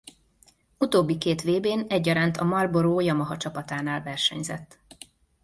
Utóbbi két vb-n egyaránt a Marlboro-Yamaha csapatánál versenyzett.